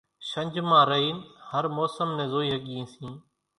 شنجھ مان رئينَ هر موسم نين زوئِي ۿڳيئين سيئين۔